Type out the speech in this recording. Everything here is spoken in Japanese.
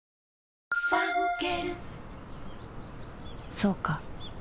そうか